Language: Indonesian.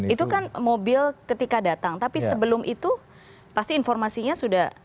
itu kan mobil ketika datang tapi sebelum itu pasti informasinya sudah